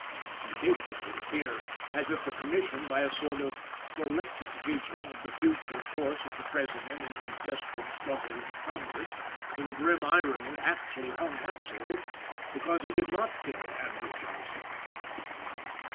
Indeed, it would appear as if the Commission, by a sort of proleptic vision of the future course of the President in his desperate struggle with the Congress, in grim irony actually hung Atzerodt because he did not kill Andrew Johnson.